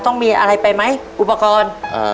ต้องมีอะไรไปไหมอุปกรณ์